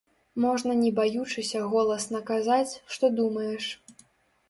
Можна не баючыся голасна казаць, што думаеш.